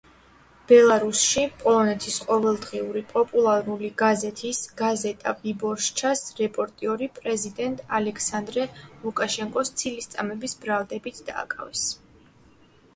ბელარუსში პოლონეთის ყოველდღიური პოპულარული გაზეთის „გაზეტა ვიბორშჩას“ რეპორტიორი პრეზიდენტ ალექსანდრე ლუკაშენკოს ცილისწამების ბრალდებით დაკავეს.